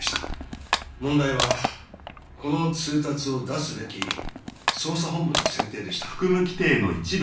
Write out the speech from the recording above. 問題はこの通達を出すべき捜査本部の選定でした。